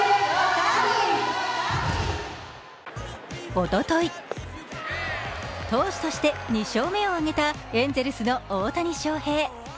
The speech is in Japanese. おととい投手として２勝目を挙げたエンゼルスの大谷翔平。